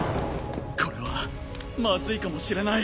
これはまずいかもしれない。